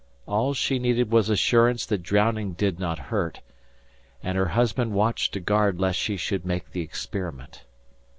All she needed was assurance that drowning did not hurt; and her husband watched to guard lest she should make the experiment.